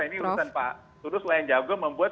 ini urusan pak tudus wayanjago membuat